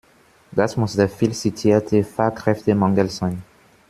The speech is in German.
Das muss der viel zitierte Fachkräftemangel sein.